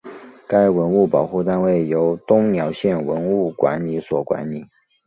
该文物保护单位由东辽县文物管理所管理。